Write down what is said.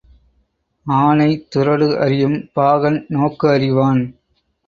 ஆனை துறடு அறியும் பாகன் நோக்கு அறிவான்.